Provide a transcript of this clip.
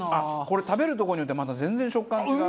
これ食べるとこによってはまた全然食感が違う。